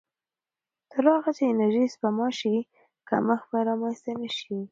تر هغه چې انرژي سپما شي، کمښت به رامنځته نه شي.